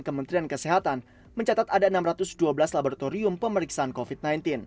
kementerian kesehatan mencatat ada enam ratus dua belas laboratorium pemeriksaan covid sembilan belas